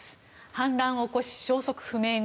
反乱を起こし、消息不明に。